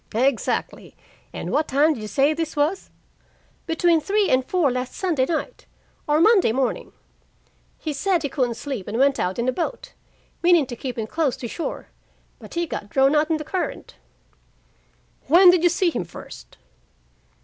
"Exactly. And what time did you say this was?" "Between three and four last Sunday night or Monday morning. He said he couldn't sleep and went out in a boat, meaning to keep in close to shore. But he got drawn out in the current." "Where did you see him first?"